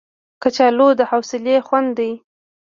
کچالو د حوصلې خوند دی